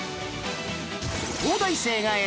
東大生が選ぶ！